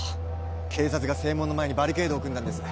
警察が正門の前にバリケードを組んだんです